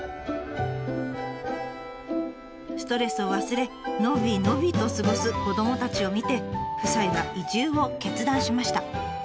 ストレスを忘れ伸び伸びと過ごす子どもたちを見て夫妻は移住を決断しました。